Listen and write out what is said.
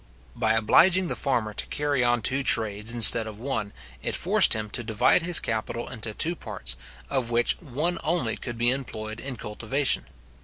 By obliging the farmer to carry on two trades instead of one, it forced him to divide his capital into two parts, of which one only could be employed in cultivation.